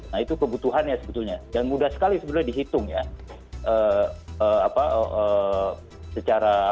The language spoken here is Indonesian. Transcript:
nah itu kebutuhannya sebetulnya dan mudah sekali sebenarnya dihitung ya